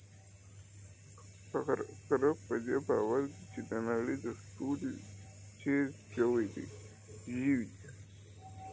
خره په دې باور دی چې د نړۍ تر ټولو تېز ژوی دی.